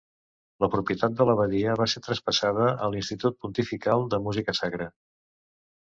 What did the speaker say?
La propietat de l'abadia va ser traspassada a l'Institut Pontifical de Música Sacra.